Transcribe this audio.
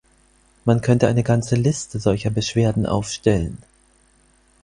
Man könnte eine ganze Liste solcher Beschwerden aufstellen.